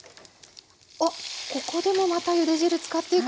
あっここでもまたゆで汁使っていくわけですね。